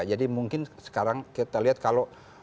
jadi mungkin sekarang kita lihat kalau